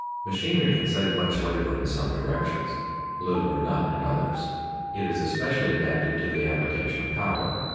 _ Machinery can save much labor in some directions, little or none in others. It is especially adapted to the application of power.